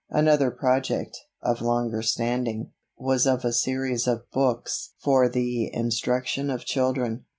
Another project, of longer standing, was of a series of books for the instruction of children.